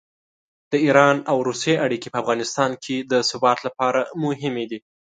د ایران او روسیې اړیکې په افغانستان کې د ثبات لپاره مهمې دي.